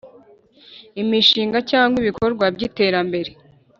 Imishinga cyangwa ibikorwa by iterambere